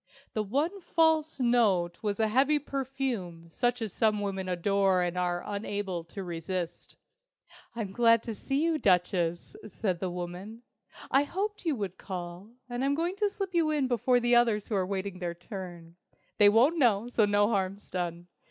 The one false note was a heavy perfume such as some women adore and are unable to resist. "I'm glad to see you, Duchess," said the woman. "I hoped you would call, and I'm going to slip you in before the others who are waiting their turn. They won't know, so no harm's done!